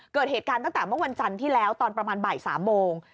เกิดเหตุการณ์ตั้งแต่เมื่อวันจันทร์ที่แล้วตอนประมาณบ่าย๓โมง